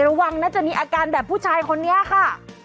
ระวังนะจะมีอาการแบบผู้ชายคนนี้ค่ะ